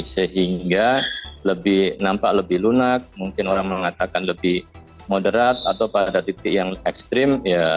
sehingga lebih nampak lebih lunak mungkin orang mengatakan lebih moderat atau pada titik yang ekstrim